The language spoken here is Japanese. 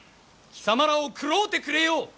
貴様らを食ろうてくれよう！